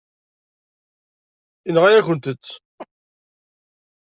Yenɣa-yakent-t.